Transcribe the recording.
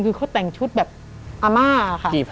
คือเขาแต่งชุดแบบอาม่าค่ะ